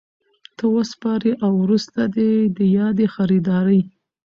ته وسپاري او وروسته دي د یادي خریدارۍ